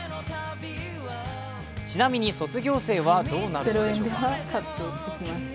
ちなみに卒業生はどうなるんでしょうか。